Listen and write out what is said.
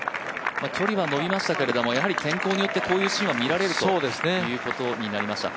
距離は伸びましたけれども、天候によってこういうシーンは見られるということになりました。